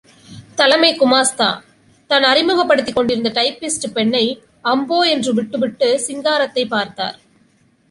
தலைமை குமாஸ்தா, தான் அறிமுகப்படுத்திக் கொண்டிந்த டைப்பிஸ்ட் பெண்ணை, அம்போ என்று விட்டுவிட்டு, சிங்காரத்தைப் பார்த்தார்.